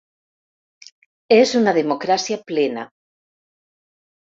És una democràcia plena.